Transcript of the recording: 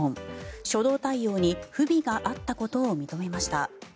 初動対応に不備があったことを認めました。